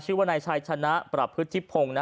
ชื่อว่าในชายชนะปรับพฤทธิพงศ์